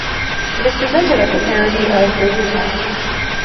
It is presented as a parody of "Radio Times".